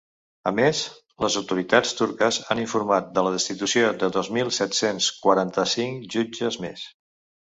A més, les autoritats turques han informat de la destitució de dos mil set-cents quaranta-cinc jutges més.